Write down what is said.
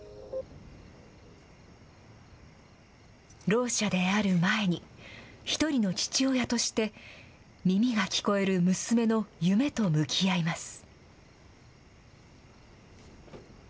ろう者である前に、一人の父親として、耳が聞こえる娘の夢と向き合います。